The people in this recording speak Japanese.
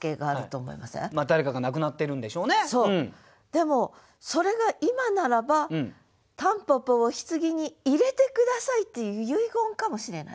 でも「それが今ならば蒲公英を柩に入れて下さい」っていう遺言かもしれないでしょ。